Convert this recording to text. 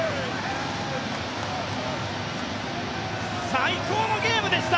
最高のゲームでした！